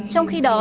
trong khi đó